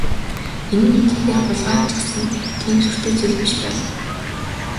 Энэ нь хэдийгээр хулгай ч гэсэн тийм сүртэй зүйл биш байлаа.